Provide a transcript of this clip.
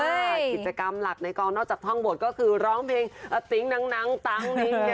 กิจกรรมหลักในกองนอกจากท่องปวดก็คือร้องเพลงติ๊งนังนังตั้งนิงเอ๋ย